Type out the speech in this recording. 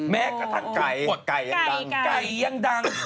แม้กระทั่งไก่ยังดัง